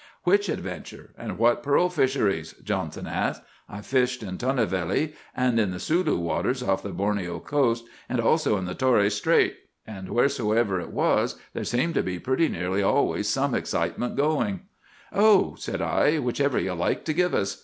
"'Which adventure? and what pearl fisheries?' Johnson asked. 'I've fished at Tinnevelli, and in the Sulu waters off the Borneo coast, and also in the Torres Strait; and wheresoever it was, there seemed to be pretty nearly always some excitement going.' "'Oh,' said I, 'whichever you like to give us.